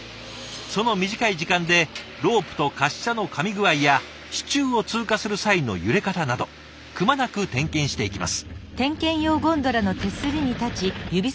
その短い時間でロープと滑車のかみ具合や支柱を通過する際の揺れ方などくまなく点検していきます。